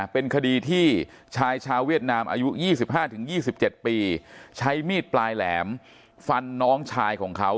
เป็นคดีที่ชายชาวเวียดนามอายุ๒๕๒๗ปีใช้มีดปลายแหลมฟันน้องชายของเขา